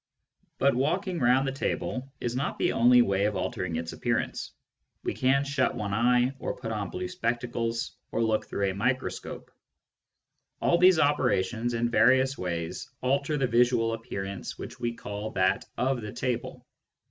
But walking round the table is not the only way of altering its appearance. We can shut one eye, or put on blue spectacles, or look through a microscope. All these operations, in various ways, alter the visual appearance which we call that of the table.